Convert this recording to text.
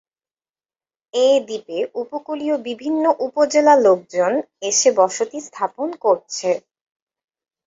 এ দ্বীপে উপকুলীয় বিভিন্ন উপজেলা লোকজন এসে বসতি স্থাপন করছে।